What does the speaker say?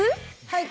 はい。